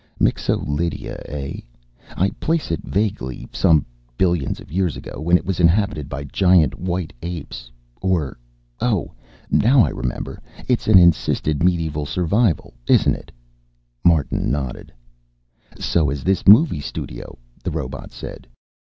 Mixo Lydia, eh? I place it vaguely, some billions of years ago, when it was inhabited by giant white apes. Or oh, now I remember. It's an encysted medieval survival, isn't it?" Martin nodded. "So is this movie studio," the robot said.